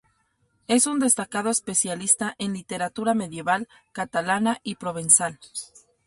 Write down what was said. Es un destacado especialista en literatura medieval catalana y provenzal.